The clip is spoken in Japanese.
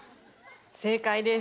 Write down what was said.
正解です。